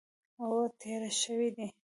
او تېر شوي دي